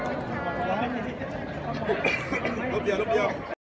มันเป็นสิ่งที่จะให้ทุกคนรู้สึกว่า